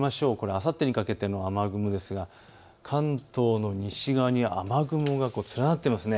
あさってにかけての雨雲ですが関東の西側に雨雲が連なっています。